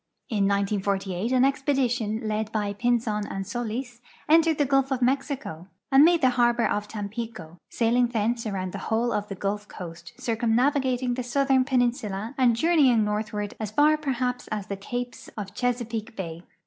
In 1498 an expedi tion led b}'' Pinzon and Solis entered the gulf of Mexico and made the harbor of Tampico, sailing thence around the whole of the Gulf coast, circumnavigating the southern jieninsula, and journeying northward as far perhaps as the capes of Chesa peake bay.